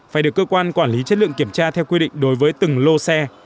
phải được cơ quan quản lý chất lượng kiểm tra theo quy định đối với từng lô xe